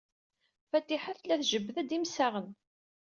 Fatiḥa tella tjebbed-d imsaɣen.